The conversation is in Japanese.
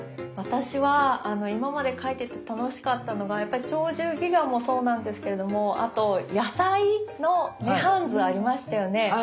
私は今まで描いてて楽しかったのが「鳥獣戯画」もそうなんですけれどもあと野菜の涅槃図ありましたよね。